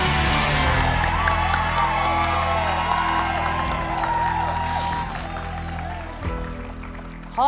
ฮาวะละพร้อม